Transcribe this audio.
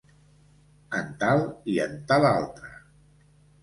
En tal i en tal altre.